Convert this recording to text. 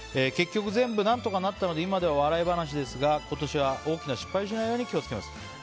結局全部何とかなったので今では笑い話ですが今年は大きな失敗しないように気を付けます。